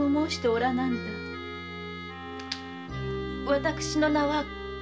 私の名は「幸」。